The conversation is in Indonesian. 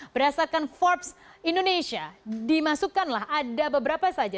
berdasarkan forbes indonesia dimasukkanlah ada beberapa saja